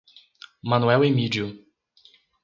Manoel Emídio